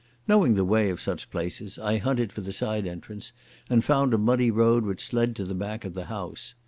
Knowing the way of such places, I hunted for the side entrance and found a muddy road which led to the back of the house.